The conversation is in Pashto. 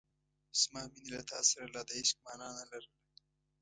زما مینې له تا سره لا د عشق مانا نه لرله.